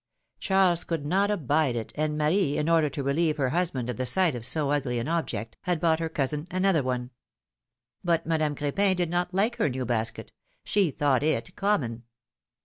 Charles could not abide it, and Marie, in order to relieve her husband of the sight of so ugly an object, had bought her cousin another one. But Madame Crepin did not like her new basket ; she thought it common.